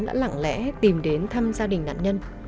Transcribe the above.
đã lặng lẽ tìm đến thăm gia đình nạn nhân